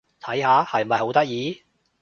睇下！係咪好得意？